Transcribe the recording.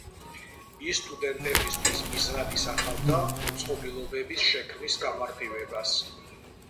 ის სტუდენტებისთვის მიზნად ისახავდა მოწყობილობების შექმნის გამარტივებას.